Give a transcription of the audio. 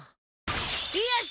よし！